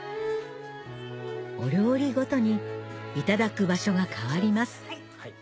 お料理ごとにいただく場所が変わります